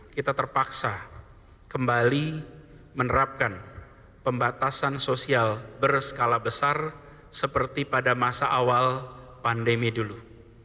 kita terpaksa kembali menerapkan pembatasan sosial berskala besar seperti pada masa awal pandemi dulu